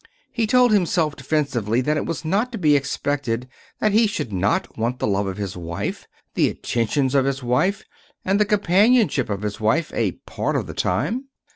He told himself defensively that it was not to be expected that he should not want the love of his wife, the attentions of his wife, and the companionship of his wife a part of the time.